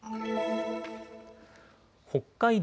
北海道